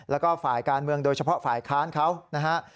แล้วก็ฝ่ายการเมืองโดยเฉพาะฝ่ายค้านเขานะฮะ